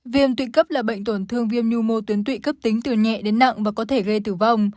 viêm tụy cấp là bệnh tổn thương viêm nhu mô tuyến tụy cấp tính từ nhẹ đến nặng và có thể gây tử vong